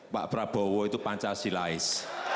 pak prabowo itu pancasilaes